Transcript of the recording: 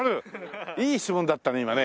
いい質問だったね今ね。